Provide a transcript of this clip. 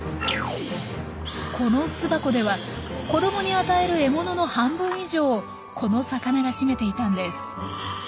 この巣箱では子どもに与える獲物の半分以上をこの魚が占めていたんです。